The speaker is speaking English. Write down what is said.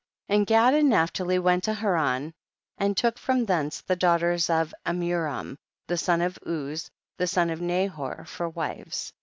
9. And Gad and Naphtali went to Haran and took from thence the daughters of Amuram the son of Uz, the son of Nahor, for wives.